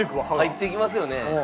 入っていきますよね。